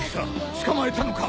捕まえたのか？